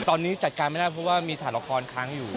ตอนนี้จัดการไม่ได้เพราะว่ามีฐานละครค้างอยู่